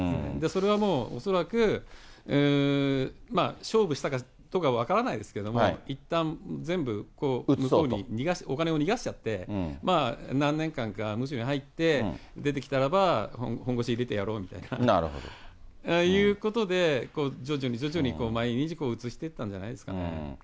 それはもう、恐らく、勝負したかどうか分からないですけれども、いったん全部向こうにお金を逃がしちゃって、まあ何年間かむしょに入って出てきたらば、なるほど。ということで、徐々に徐々に毎日移してたんじゃないんですかね。